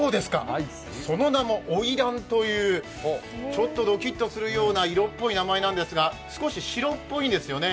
その名も花魁という、ちょっとドキッとする色っぽい名前なんですが、少し白っぽいんですよね。